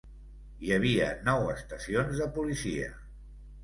Hi havia nou estacions de policia.